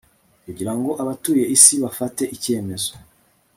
kugira ngo abatuye isi bafate icyemezo